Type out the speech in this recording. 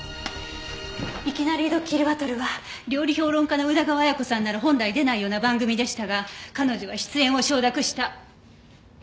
『いきなりどっきりバトル』は料理評論家の宇田川綾子さんなら本来出ないような番組でしたが彼女は出演を承諾した。